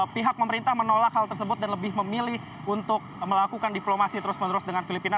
pihak pemerintah menolak hal tersebut dan lebih memilih untuk melakukan diplomasi terus menerus dengan filipina